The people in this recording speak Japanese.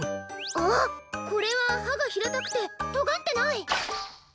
あっこれははがひらたくてとがってない！